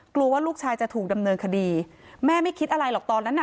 กลัวว่าลูกชายจะถูกดำเนินคดีแม่ไม่คิดอะไรหรอกตอนนั้นน่ะ